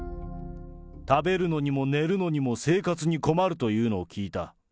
食べるのにも寝るのにも生活に困るというのを聞いた。